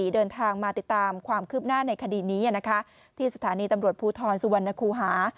เดินทางมาติดตามความคืบหน้าในคดีนี้ที่สถานีตำรวจภูทรสุวรรณคูหา